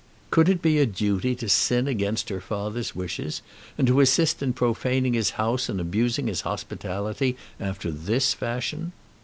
Could it be a duty to sin against her father's wishes, and to assist in profaning his house and abusing his hospitality after this fashion?